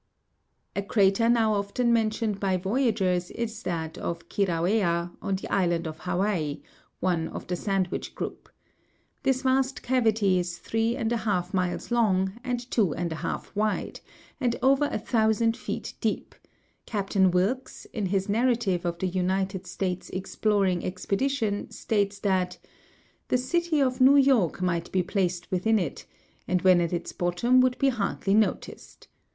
A crater now often mentioned by voyagers is that of Kirauea, on the island of Hawaii, one of the Sandwich group. This vast cavity is three and a half miles long and two and a half wide, and over a thousand feet deep : Captain Wilkes, in his narrative of the United States Exploring Expedition, states that " the city of New York might be placed within it, and when at its bottom would be hardly noticed.